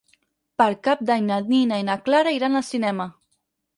Per Cap d'Any na Nina i na Clara iran al cinema.